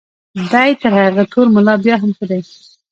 دی تر هغه تور ملا بیا هم ښه دی.